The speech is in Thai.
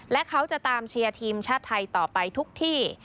และเขาจะตามเชียร์ทีมชาติไทยต่อไปทุกที่